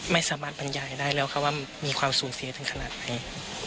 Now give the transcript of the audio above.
ไม่สามารถบรรยายได้แล้วครับว่ามีความสูญเสียทั้งขนาดไหน